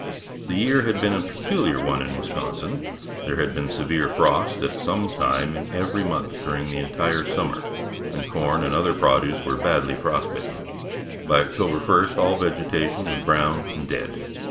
The year had been a peculiar one in Wisconsin. There had been severe frost at some time in every month during the entire summer and corn and other produce was badly frost bitten. By October first all vegetation was brown and dead.